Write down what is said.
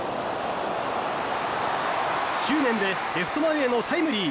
執念でレフト前へのタイムリー。